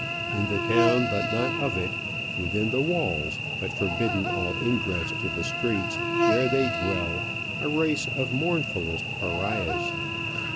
In the town, but not of it, within the walls, but forbidden all ingress to the streets, there they dwell, a race of mournfullest Pariahs.